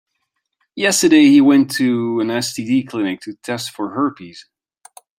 Yesterday, he went to an STD clinic to test for herpes.